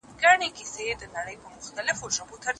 د هغو لپاره یو دي څه دننه څه د باندي